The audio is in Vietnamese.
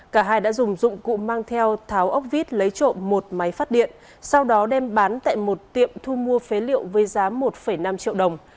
cả hai đã dùng dụng cụ mang theo tháo ốc vít lấy trộm một máy phát điện sau đó đem bán tại một tiệm thu mua phế liệu với giá một năm triệu đồng